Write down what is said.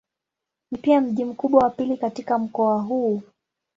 Ni pia mji mkubwa wa pili katika mkoa huu.